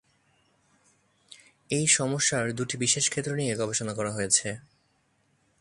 এই সমস্যার দুটি বিশেষ ক্ষেত্র নিয়ে গবেষণা করা হয়েছে।